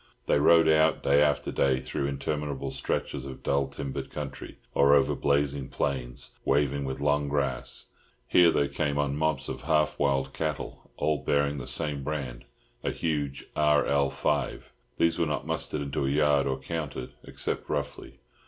They rode out, day after day, through interminable stretches of dull timbered country, or over blazing plains waving with long grass. Here they came on mobs of half wild cattle, all bearing the same brand, a huge RL5. These were not mustered into a yard or counted, except roughly.